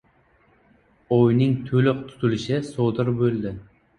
Oyning to‘liq tutilishi sodir bo‘ladi